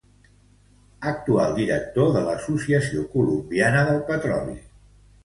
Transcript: Actual director de l'Associació Colombiana del Petroli.